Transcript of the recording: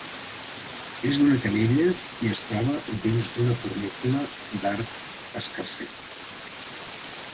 És d'una canella i es troba dins d'una fornícula d'arc escarser.